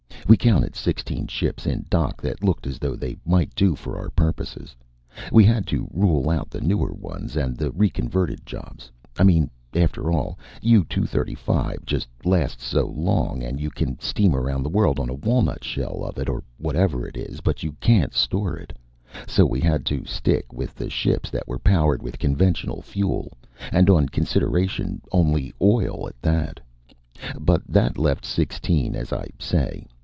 We counted sixteen ships in dock that looked as though they might do for our purposes. We had to rule out the newer ones and the reconverted jobs. I mean, after all, U 235 just lasts so long, and you can steam around the world on a walnut shell of it, or whatever it is, but you can't store it. So we had to stick with the ships that were powered with conventional fuel and, on consideration, only oil at that. But that left sixteen, as I say.